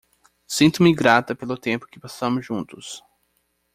Sinto-me grata pelo tempo que passamos juntos.